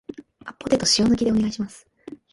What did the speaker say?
ポテトを塩抜きでお願いします